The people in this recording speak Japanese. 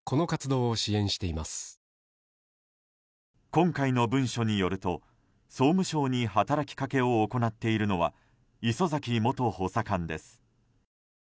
今回の文書によると、総務省に働きかけを行っているのは礒崎元補佐官です。